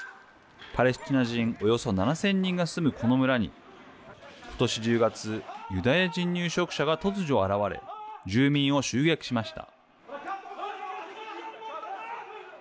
パレスチナ人およそ７０００人が住むこの村に今年１０月ユダヤ人入植者が突如現れ住民を襲撃しました。